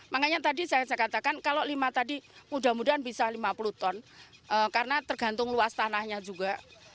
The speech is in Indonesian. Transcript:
makanya tadi saya katakan kalau lima tadi mudah mudahan bisa lima puluh ton karena tergantung luas tanahnya juga